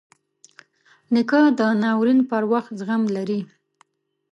نیکه د ناورین پر وخت زغم لري.